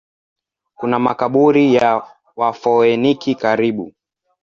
Kuna makaburi ya Wafoeniki karibu.